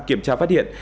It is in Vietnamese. kiểm tra phát hiện